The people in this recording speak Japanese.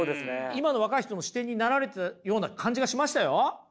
今の若い人の視点になられてたような感じがしましたよ！